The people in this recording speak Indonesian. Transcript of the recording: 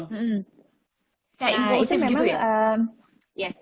kayak impulsif gitu ya